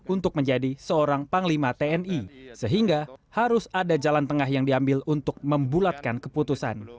untuk menjadi seorang panglima tni sehingga harus ada jalan tengah yang diambil untuk membulatkan keputusan